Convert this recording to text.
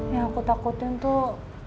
yang aku takutin tuh